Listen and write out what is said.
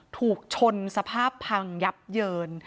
ถูกชนสภาพพังยับเยิน